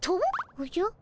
おじゃ？